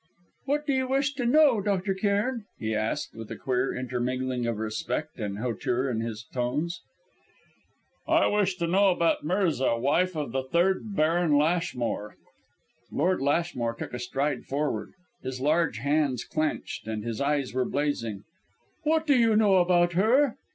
"What do you wish to know, Dr. Cairn?" he asked, with a queer intermingling of respect and hauteur in his tones. "I wish to know about Mirza, wife of the third Baron Lashmore." Lord Lashmore took a stride forward. His large hands clenched, and his eyes were blazing. "What do you know about her?"